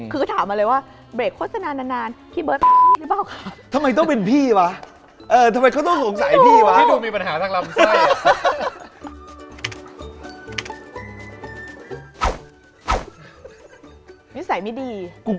แก้งทุกคนด้วยทุกอย่าง